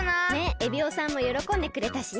エビオさんもよろこんでくれたしね。